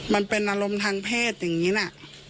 มันเป็นอารมณ์ทางเพศอย่างนี้นะ